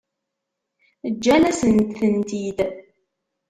Ǧǧan-asent-tent-id?